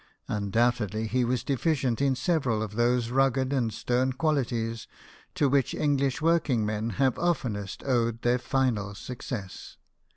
Un doubtedly, he was deficient in several of those rugged and stern qualities to which English working men have oftenest owed their final success.